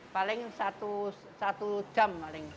paling satu jam paling